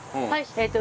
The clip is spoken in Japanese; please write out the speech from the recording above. えっと